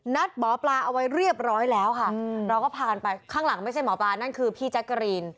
หมอปลาเอาไว้เรียบร้อยแล้วค่ะเราก็พากันไปข้างหลังไม่ใช่หมอปลานั่นคือพี่แจ๊กกะรีน